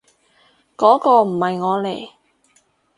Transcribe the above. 嗰個唔係我嚟